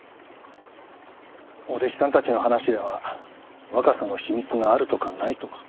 お弟子さんたちの話では若さの秘密があるとかないとか。